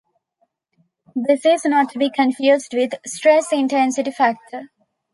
This is not to be confused with 'Stress Intensity Factor'.